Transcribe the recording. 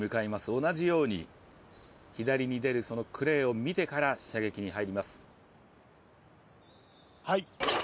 同じように左に出るクレーを見てから射撃に入ります。